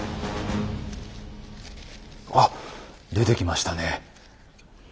あっ出てきましたね。